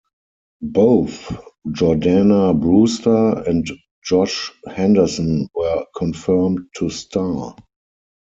Both Jordana Brewster and Josh Henderson were confirmed to star.